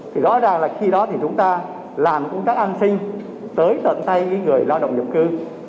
thì rõ ràng là khi đó thì chúng ta làm công tác an sinh tới tận tay người lao động nhập cư